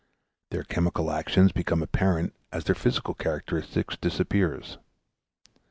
Their chemical actions become apparent as their physical characteristic disappears.